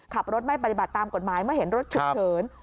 ขับรถไม่ปฏิบัติตามกฎหมายเมื่อเห็นรถฉุกเฉิน